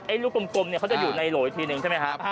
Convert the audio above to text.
ไอ้ลูกกลมเขาจะอยู่ในโหลดทีหนึ่งใช่ไหมครับ